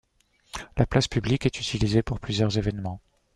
La place publique est utilisée pour plusieurs événements.